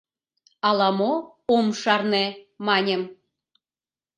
— Ала-мо ом шарне. — маньым.